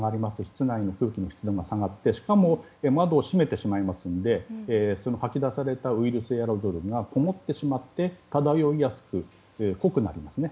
室内の空気の湿度が下がってしかも窓を閉めてしまいますので吐き出されたウイルスエアロゾルがこもってしまって、漂いやすく濃くなりますね。